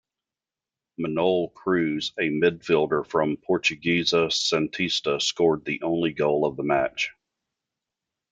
Manoel Cruz, a midfielder from Portuguesa Santista, scored the only goal of the match.